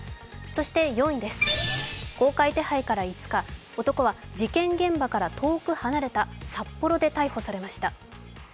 そして４位、公開手配から５日、男は事件現場から遠く離れた札幌で逮捕されました。